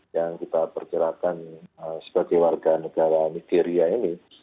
yang kita perkirakan sebagai warga negara nigeria ini